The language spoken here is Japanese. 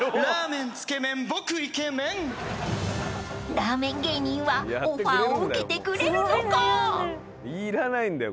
［ラーメン芸人はオファーを受けてくれるのか］